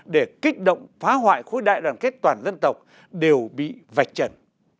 để kích động phá hoại khối đại đoàn kết toàn dân tộc đều bị vạch trần